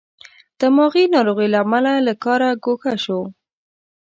دماغې ناروغۍ له امله له کاره ګوښه شو.